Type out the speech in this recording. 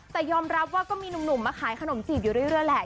แต่ยอมรับว่าก็มีหนุ่มมาขายขนมจีบอยู่เรื่อยแหละ